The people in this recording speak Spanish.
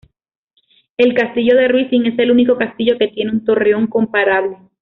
El castillo de Rising es el único castillo que tiene un torreón comparable.